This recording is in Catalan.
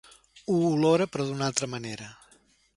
Ho olora, però d'una altra manera.